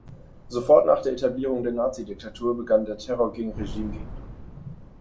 Sofort nach der Etablierung der Nazi-Diktatur begann der Terror gegen Regimegegner.